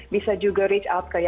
bisa juga reach out ke yaya